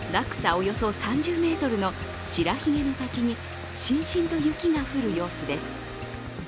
およそ３０ｍの白ひげの滝に、しんしんと雪が降る様子です。